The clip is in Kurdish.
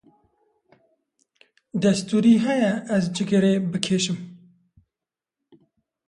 Destûrî heye, ez cigirê bi kêşim ?